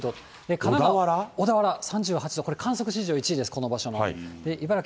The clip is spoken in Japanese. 神奈川・小田原３８度、これ、観測史上１位です、この場所の。